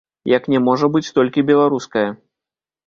Як не можа быць толькі беларуская.